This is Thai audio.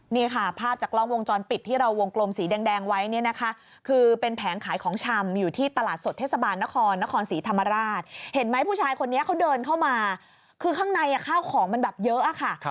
นี่ค่ะภาพจากกล้องวงจรปิดที่เราวงกลมสีแดงไว้เนี่ยนะคะคือเป็นแผงขายของชำอยู่ที่ตลาดสดเทศบาลนครนครศรีธรรมราชเห็นไหมผู้ชายคนนี้เขาเดินเข้ามาคือข้างในข้าวของมันแบบเยอะอะค่ะ